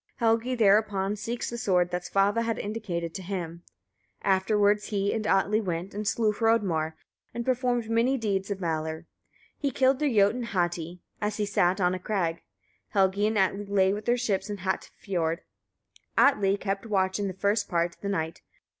Helgi thereupon seeks the sword that Svava had indicated to him. Afterwards he and Atli went and slew Hrodmar, and performed many deeds of valour. He killed the Jotun Hati, as he sat on a crag. Helgi and Atli lay with their ships in Hatafiord. Atli kept watch in the first part of the night.